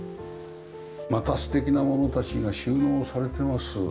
また素敵なものたちが収納されてます。